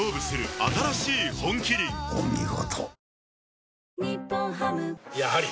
お見事。